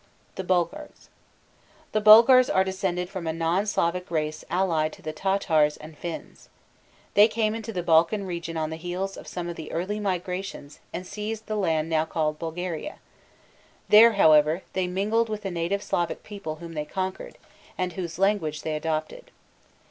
THE BULGARS. The Bulgars are descended from a non Slavic race allied to the Tatars and Finns. They came into the Balkan region on the heels of some of the early migrations and seized the land now called Bulgaria; there, however, they mingled with the native Slavic people whom they conquered, and whose language they adopted.